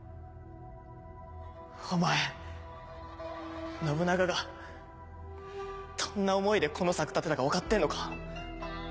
お前信長がどんな思いでこの策立てたか分かってんのか？